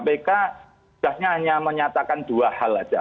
kpk sudahnya hanya menyatakan dua hal saja